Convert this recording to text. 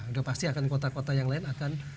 sudah pasti akan kota kota yang lain akan